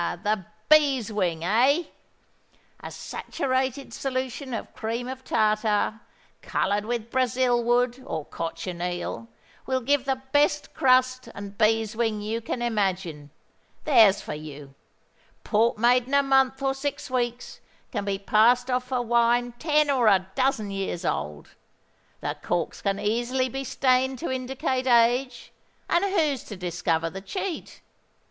the bees' wing—eh! A saturated solution of cream of tartar, coloured with Brazil wood or cochineal, will give the best crust and bees' wing you can imagine. There's for you! Port made in a month or six weeks can be passed off for wine ten or a dozen years old. The corks can easily be stained to indicate age—and who's to discover the cheat?